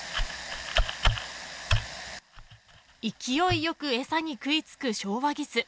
勢いよく餌に食い付くショウワギス。